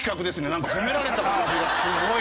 なんか褒められた感じがすごい。